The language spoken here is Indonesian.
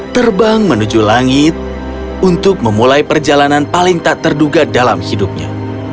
terbang menuju langit untuk memulai perjalanan paling tak terduga dalam hidupnya